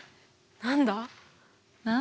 何だ？